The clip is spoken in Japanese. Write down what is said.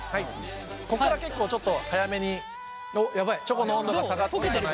ここから結構ちょっと早めにチョコの温度が下がってくるので。